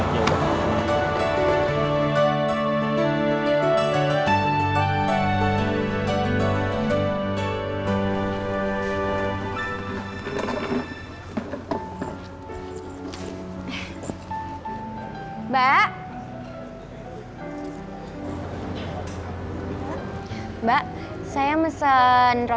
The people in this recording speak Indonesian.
ruthu tak pake aku